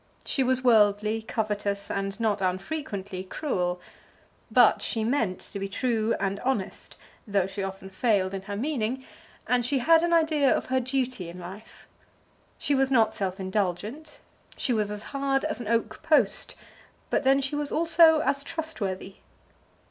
She was worldly, covetous, and not unfrequently cruel. But she meant to be true and honest, though she often failed in her meaning; and she had an idea of her duty in life. She was not self indulgent. She was as hard as an oak post, but then she was also as trustworthy.